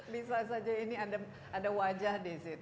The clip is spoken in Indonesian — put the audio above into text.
bisa saja ini ada wajah di situ